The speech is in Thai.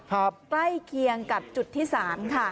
ใกล้เคียงกับจุดที่สามค่ะ